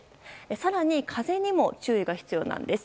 更に風にも注意が必要なんです。